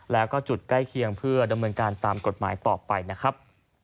แล้วก็จุดใกล้เคียงเพื่อดำเนินการตามกฎหมายต่อไปนะครับ